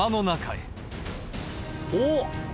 おっ！